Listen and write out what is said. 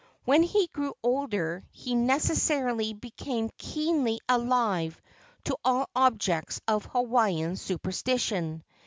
When he grew older he necessarily became keenly alive to all objects of Hawaiian superstition.